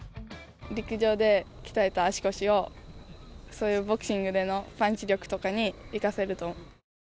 陸上で鍛えた足腰を、そういうボクシングでのパンチ力とかに生かせると。